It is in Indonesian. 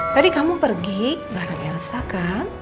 tadi kamu pergi bareng elsa kan